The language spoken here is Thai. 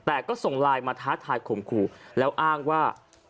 แต่ก็ส่งไลน์มาท้าทายข่มขู่แล้วอ้างว่า